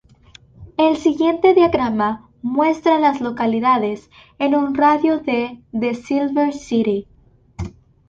El siguiente diagrama muestra a las localidades en un radio de de Silver City.